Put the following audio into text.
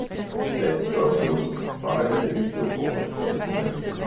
sagde stoppenålen, bare jeg ikke bliver borte!